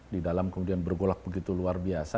di dalam kemudian bergolak begitu luar biasa